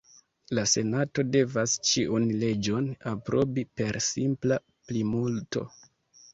La Senato devas ĉiun leĝon aprobi per simpla plimulto.